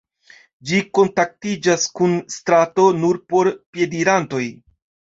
Ĝi kontaktiĝas kun strato nur por piedirantoj.